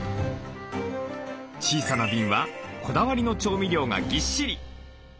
小さな瓶はこだわりの調味料がぎっしり。